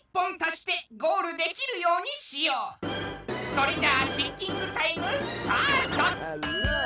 それじゃあシンキングタイムスタート！